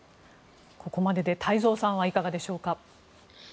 ここまでで太蔵さんはいかがでしょうか。